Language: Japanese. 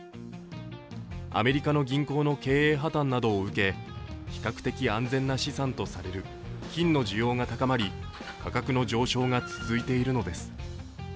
アメリカの銀行の経営破綻などを受け比較的安全な資産とされる金の需要が高まり価格の上昇が続いているのです。